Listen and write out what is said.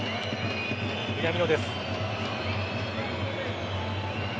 南野です。